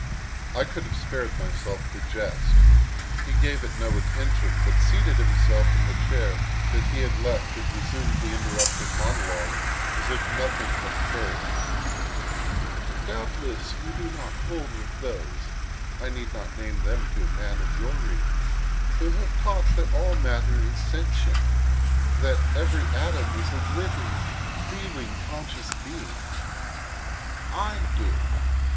I could have spared myself the jest; he gave it no attention, but seated himself in the chair that he had left and resumed the interrupted monologue as if nothing had occurred: "Doubtless you do not hold with those (I need not name them to a man of your reading) who have taught that all matter is sentient, that every atom is a living, feeling, conscious being. I do.